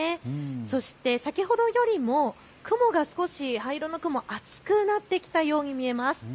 そして先ほどよりも雲が少し灰色の雲、厚くなってきたように見えます。